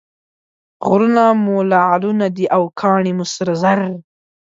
غرونه مو لعلونه دي او کاڼي مو سره زر.